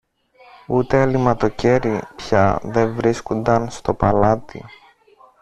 ούτε αλειμματοκέρι πια δε βρίσκουνταν στο παλάτι.